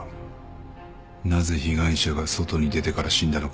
なぜ被害者が外に出てから死んだのか。